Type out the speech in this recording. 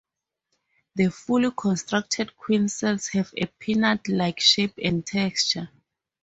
The fully constructed queen cells have a peanut-like shape and texture.